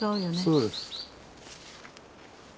そうです。